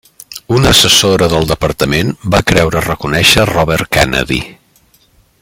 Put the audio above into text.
Una assessora del departament va creure reconèixer Robert Kennedy.